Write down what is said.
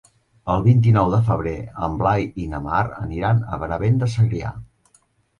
El vint-i-nou de febrer en Blai i na Mar aniran a Benavent de Segrià.